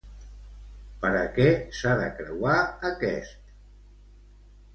Per a què s'ha de creuar aquest?